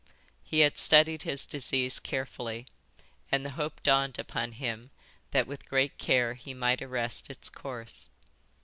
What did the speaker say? He had studied his disease carefully, and the hope dawned upon him that with great care he might arrest its course.